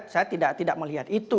saya tidak melihat itu